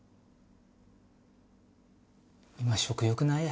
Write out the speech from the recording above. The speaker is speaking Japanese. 今食欲ないや。